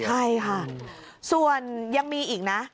ใช่ค่ะส่วนยังมีอีกนะ